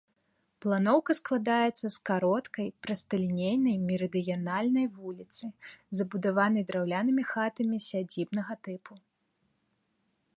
Планоўка складаецца з кароткай прасталінейнай мерыдыянальнай вуліцы, забудаванай драўлянымі хатамі сядзібнага тыпу.